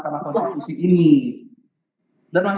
itu memang memungkinkan kita tidak bisa mendengarkan